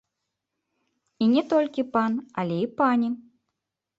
І не толькі пан, але і пані.